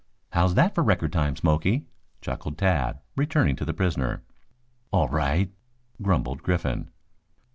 "How's that for record time, Smoky?" chuckled Tad, turning to the prisoner. "All right," grumbled Griffin.